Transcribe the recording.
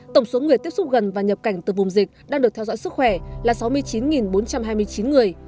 tổng số người tiếp xúc gần và nhập cảnh từ vùng dịch đang được theo dõi sức khỏe là sáu mươi chín bốn trăm hai mươi chín người